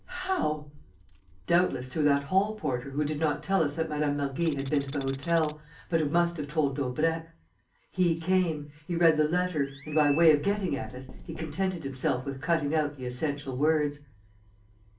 "How?" "Doubtless through that hall porter who did not tell us that Mme. Mergy had been to the hotel, but who must have told Daubrecq. He came. He read the letter. And, by way of getting at us, he contented himself with cutting out the essential words."